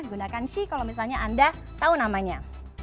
gunakan shi kalau misalnya anda tahu namanya